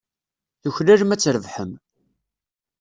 Tuklalem ad trebḥem.